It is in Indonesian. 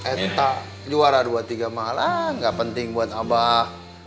entah juara dua tiga malah gak penting buat abah